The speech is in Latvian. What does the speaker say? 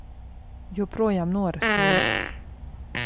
Joprojām norasojusi.